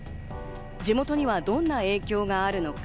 地元にはどんな影響があるのか。